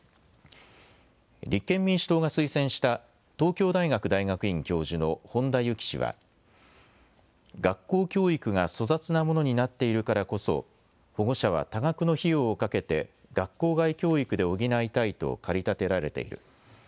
立憲民主党が推薦した東京大学大学院教授の本田由紀氏は学校教育が粗雑なものになっているからこそ保護者は多額の費用をかけて学校外教育で補いたいと駆り立てられている。